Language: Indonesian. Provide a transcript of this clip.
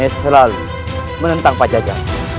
rai selalu menentang pak jaga